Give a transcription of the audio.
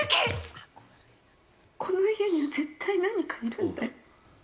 この部屋には絶対何かいるんだよ。